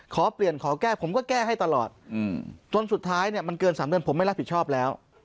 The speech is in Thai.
ขอเปลี่ยนขอแก้ผมก็แก้ให้ตลอดจนสุดท้ายเนี่ยมันเกิน๓เดือนผมไม่รับผิดชอบแล้ว